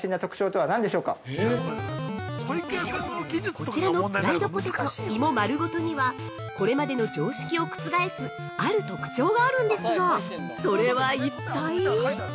◆こちらのプライドポテト「芋まるごと」には、これまでの常識を覆す、ある特徴があるんですが、それは一体？